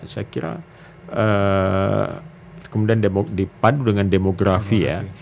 saya kira kemudian dipandu dengan demografi ya